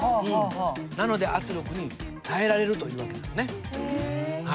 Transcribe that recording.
なので圧力に耐えられるという訳なのね。